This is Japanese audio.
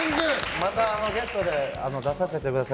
またゲストで出させてください。